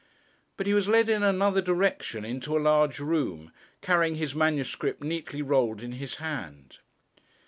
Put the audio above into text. But he was led in another direction into a large room, carrying his manuscript neatly rolled in his hand.